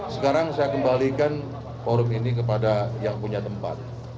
sekarang saya kembalikan forum ini kepada yang punya tempat